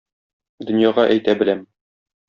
Дөньяга әйтә беләм.